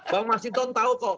bang masinton tau kok